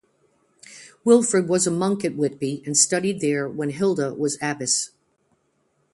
Wilfrid was a monk at Whitby and studied there when Hilda was abbess.